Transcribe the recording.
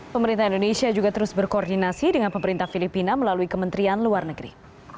pemerintah indonesia juga terus berkoordinasi dengan pemerintah filipina melalui kementerian luar negeri